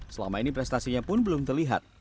selama ini prestasinya pun belum terlihat